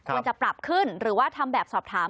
ควรจะปรับขึ้นหรือว่าทำแบบสอบถาม